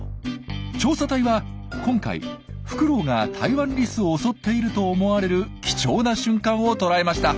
調査隊は今回フクロウがタイワンリスを襲っていると思われる貴重な瞬間を捉えました。